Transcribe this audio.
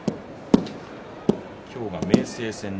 今日は明生戦。